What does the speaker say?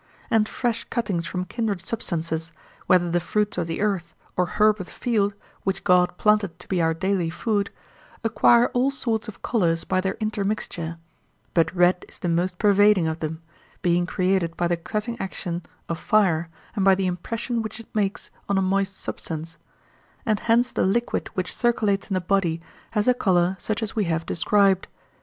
And fresh cuttings from kindred substances, whether the fruits of the earth or herb of the field, which God planted to be our daily food, acquire all sorts of colours by their inter mixture; but red is the most pervading of them, being created by the cutting action of fire and by the impression which it makes on a moist substance; and hence the liquid which circulates in the body has a colour such as we have described.